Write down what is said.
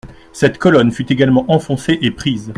Cette colonne fut également enfoncée et prise.